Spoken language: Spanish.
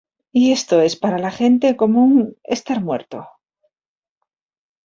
Y esto es para la gente como un estar muerto.